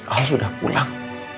al sudah pulang